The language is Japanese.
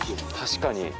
確かに。